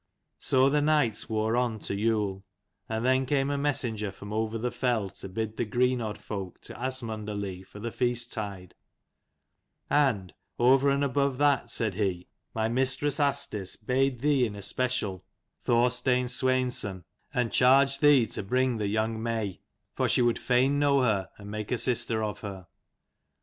So the nights wore on to Yule: and then came a messenger from over the fell to bid the Greenodd folk to Asmundarlea for the feast tide: and "Over and above that," said he, " my mistress Asdis bade thee in especial, 170 Thorstein Sweinson, and charged thee to bring the young may, for she would fain know her, and make a sister of her."